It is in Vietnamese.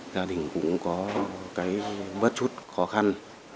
gia đình cũng có một bớt chút khó khăn